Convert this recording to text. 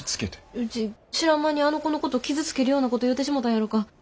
うち知らん間にあの子のこと傷つけるようなこと言うてしもたんやろか。